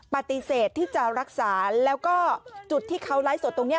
ปฏิเสธที่จะรักษาแล้วก็จุดที่เขาไลฟ์สดตรงนี้